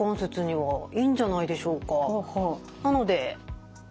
はい。